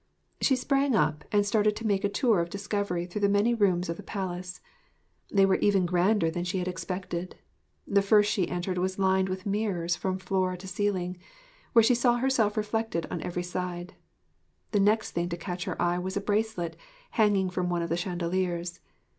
She sprang up, and started to make a tour of discovery through the many rooms of the palace. They were even grander than she had expected. The first she entered was lined with mirrors from floor to ceiling, where she saw herself reflected on every side. The next thing to catch her eye was a bracelet, hanging from one of the chandeliers.